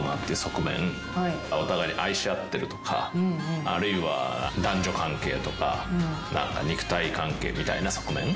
お互いに愛し合ってるとかあるいは男女関係とか何か肉体関係みたいな側面。